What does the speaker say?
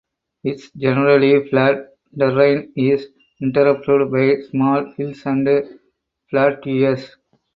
Its generally flat terrain is interrupted by small hills and plateaus.